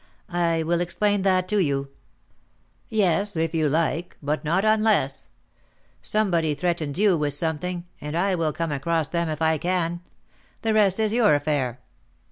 I will explain that to you." "Yes, if you like, but not unless. Somebody threatens you with something, and I will come across them if I can; the rest is your affair."